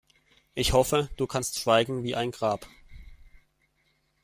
Ich hoffe, du kannst schweigen wie ein Grab.